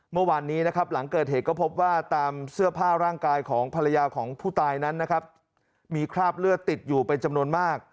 เมื่อวานนี้นะครับหลังเกิดเหตุก็พบว่าตามเสื้อผ้าร่างกายของภรรยาของผู้ตายนั้นนะครับมีคราบเลือดติดอยู่เป็นจำนวนมาก